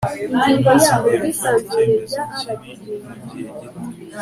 ntuzigere ufata icyemezo kibi mugihe gito